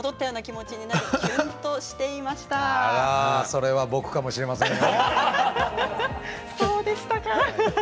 それは僕かもしれませんよ。